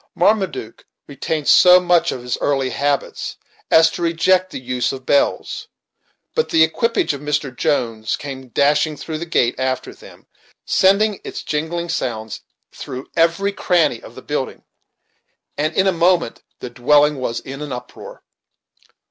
Marmaduke retained so much of his early habits as to reject the use of bells, but the equipage of Mr. Jones came dashing through the gate after them, sending its jingling sounds through every cranny of the building, and in a moment the dwelling was in an uproar.